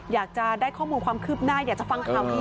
อยากจะได้ข้อมูลความคืบหน้า